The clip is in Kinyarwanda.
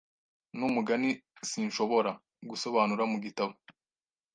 Numugani sinshobora gusobanura mugitabo